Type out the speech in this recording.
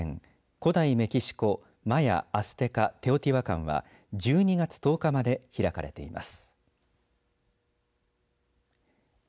古代メキシコ、マヤ、アステカテオティワカンは１２月１０日まで開かれています。